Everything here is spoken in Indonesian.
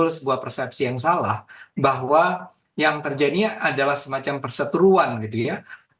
sebuah persepsi yang salah bahwa yang terjadi adalah semacam perseteruan gitu ya